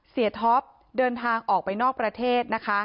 เศรียธรพเดินทางออกไปนอกประเทศนะคะ